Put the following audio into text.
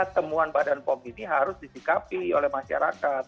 temuan badan pom ini harus disikapi oleh masyarakat